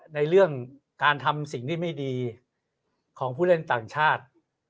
ในเรื่องการทำสิ่งที่ไม่ดีของผู้เล่นต่างชาติ